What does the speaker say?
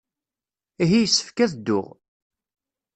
Ihi yessefk ad dduɣ.